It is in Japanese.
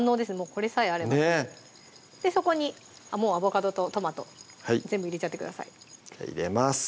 これさえあればそこにアボカドとトマト全部入れちゃってください入れます